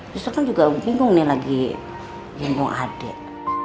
suster kan juga bingung nih lagi jenggong adik